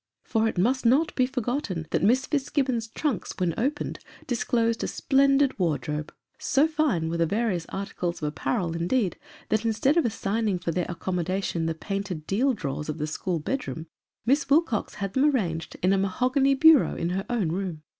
For it must not be forgotten that Miss Fitzgibbon's trunks, when opened, disclosed a splendid wardrobe ; so fine were the various articles of apparel, indeed, that instead of assigning for their accommodation the painted deal drawers of the school bed room, Miss Wilcox had them arranged in a mahogany bureau in her own room.